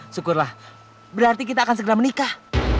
syukurlah berarti kita akan segera menikah